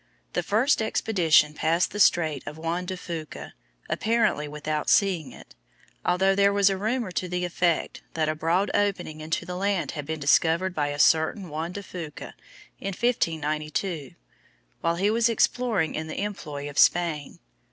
The first expedition passed the Strait of Juan de Fuca apparently without seeing it, although there was a rumor to the effect that a broad opening into the land had been discovered by a certain Juan de Fuca in 1592, while he was exploring in the employ of Spain.